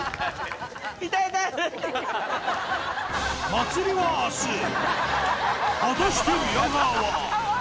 祭りは明日果たして宮川はあぁうわぁ！